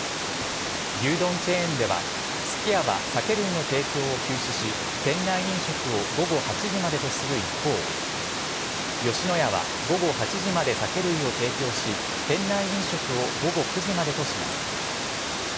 牛丼チェーンではすき家は酒類の提供を休止し店内飲食を午後８時までとする一方吉野家は午後８時まで酒類を提供し店内飲食を午後９時までとします。